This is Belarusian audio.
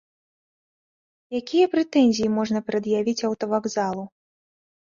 Якія прэтэнзіі можна прад'явіць аўтавакзалу?